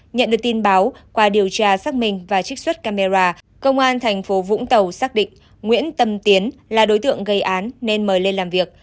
nhận được tin báo qua điều tra xác minh và trích xuất camera công an thành phố vũng tàu xác định nguyễn tâm tiến là đối tượng gây án nên mời lên làm việc